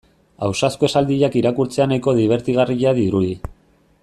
Ausazko esaldiak irakurtzea nahiko dibertigarria dirudi.